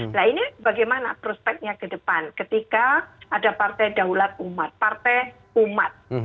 nah ini bagaimana prospeknya ke depan ketika ada partai daulat umat partai umat